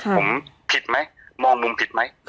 ผมผิดไหมมองมุมผิดไหม